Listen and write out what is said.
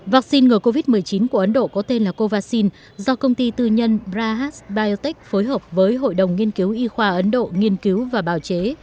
vaccine ngừa covid một mươi chín của ấn độ có tên là covaxin do công ty tư nhân brahas biotech phối hợp với hội đồng nghiên cứu y khoa ấn độ nghiên cứu và bào chế